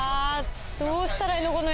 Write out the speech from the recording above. どうしたらいいの？